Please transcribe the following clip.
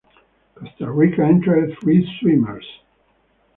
Costa Rica entered three swimmers.